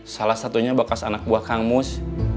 salah satunya bekas anak buah kamus